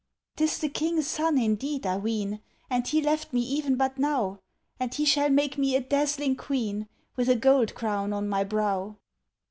"'Tis the King's son, indeed, I ween, And he left me even but now, And he shall make me a dazzling queen, With a gold crown on my brow."